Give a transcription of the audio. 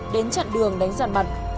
đến chặn đường đánh giàn mặt